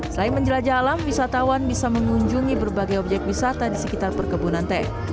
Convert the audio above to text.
selain menjelajah alam wisatawan bisa mengunjungi berbagai objek wisata di sekitar perkebunan teh